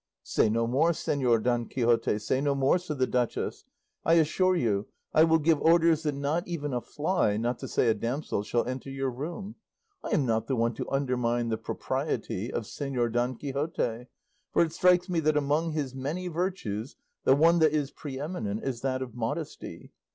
"Say no more, Señor Don Quixote, say no more," said the duchess; "I assure you I will give orders that not even a fly, not to say a damsel, shall enter your room. I am not the one to undermine the propriety of Señor Don Quixote, for it strikes me that among his many virtues the one that is pre eminent is that of modesty.